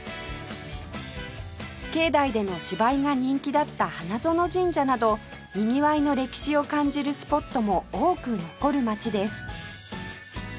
境内での芝居が人気だった花園神社などにぎわいの歴史を感じるスポットも多く残る街です